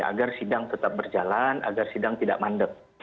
agar sidang tetap berjalan agar sidang tidak mandek